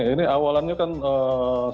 ini awalannya kan eee